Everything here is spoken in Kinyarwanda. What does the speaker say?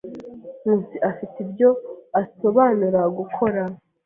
Nkusi afite ibyo asobanura gukora.